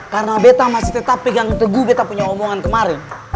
karena bet masih tetap pegang teguh bet punya omongan kemarin